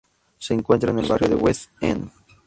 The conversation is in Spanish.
Se encuentra en el barrio de West End.